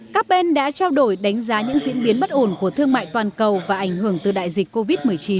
các bên đã trao đổi đánh giá những diễn biến bất ổn của thương mại toàn cầu và ảnh hưởng từ đại dịch covid một mươi chín